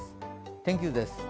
天気図です。